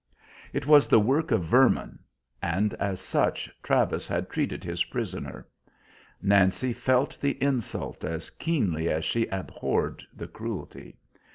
It was the work of vermin, and as such Travis had treated his prisoner. Nancy felt the insult as keenly as she abhorred the cruelty.